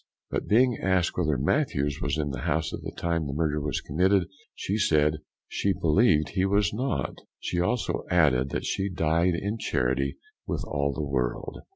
But, being asked whether Mathews was in the house at the time the murder was committed, she said, "She believed he was not." She also added that she died in charity with all the world.